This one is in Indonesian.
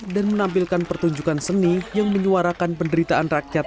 dan menampilkan pertunjukan seni yang menyuarakan penderitaan rakyat